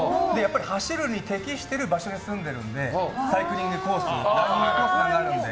走るのに適してる場所に住んでいるのでサイクリングコースやランニングコースがあるので。